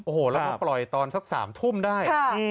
โอ้โหแล้วมาปล่อยตอนสัก๓ทุ่มได้